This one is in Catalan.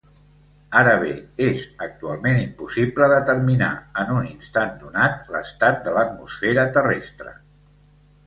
Ara bé, és actualment impossible determinar, en un instant donat, l'estat de l'atmosfera terrestre.